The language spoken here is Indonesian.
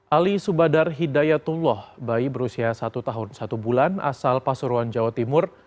ali subadar hidayatullah bayi berusia satu tahun satu bulan asal pasuruan jawa timur